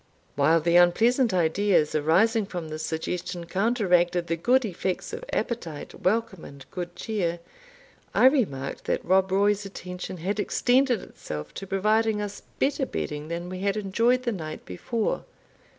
While the unpleasant ideas arising from this suggestion counteracted the good effects of appetite, welcome, and good cheer, I remarked that Rob Roy's attention had extended itself to providing us better bedding than we had enjoyed the night before.